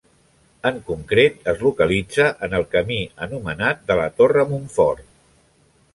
En concret es localitza en el camí anomenat de la Torre Monfort.